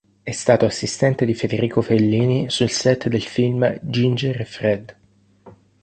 È stato assistente di Federico Fellini sul set del film "Ginger e Fred".